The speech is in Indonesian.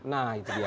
nah itu dia